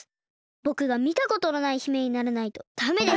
ぼくがみたことのない姫にならないとダメです！